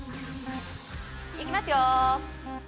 はいいきますよ。